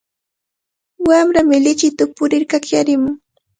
Wamrami lichinta upurir kakyarimun.